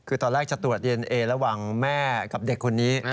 คือตอนแรกจะตรวจดีเอนเอระหว่างแม่กับเด็กคนนี้